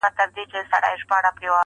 اول سړی چي د ده مرګ یې پټ وساتی